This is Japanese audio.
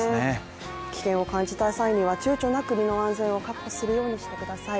危険を感じた際にはちゅうちょなく身の安全を確保するようにしてください。